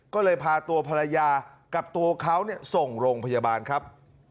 ก็เลยพาตัวภรรยากับตัวเขาส่งโรงพยาบาลครับ